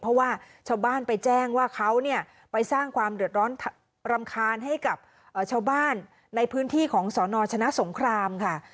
เพราะว่าชาวบ้านไปแจ้งว่าเขาเนี่ยไปสร้างความเดือดร้อนรำคาญให้กับชาวบ้านในพื้นที่ของสนชนะสงครามค่ะ